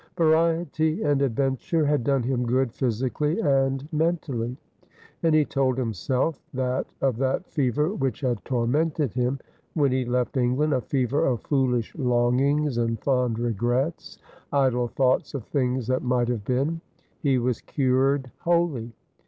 Variety and adventure had done him good physically and mentally ; and he told himself that of that fever which had tormented him when he left England — a fever of foolish longings and fond regrets, idle thoughts of things that might have been — he was cured wholly.